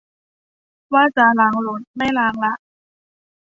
ว่าจะล้างรถ ไม่ล้างละ